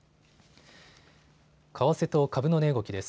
為替と株の値動きです。